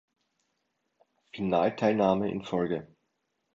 Finalteilnahme in Folge.